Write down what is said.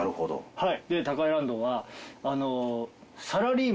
はい。